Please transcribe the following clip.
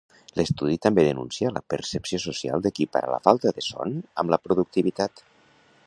L'estudi també denuncia la percepció social d'equiparar la falta de son amb la productivitat.